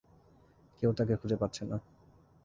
কেউ তাকে খুঁজে পাচ্ছে না।